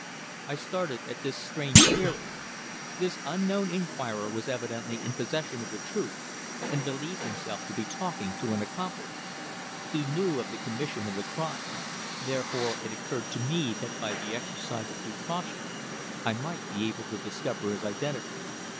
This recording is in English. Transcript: I started at this strange query. This unknown inquirer was evidently in possession of the truth, and believed himself to be talking to an accomplice. He knew of the commission of the crime, therefore it occurred to me that by the exercise of due caution I might be able to discover his identity.